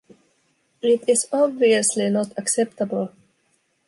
It is obviously not acceptable.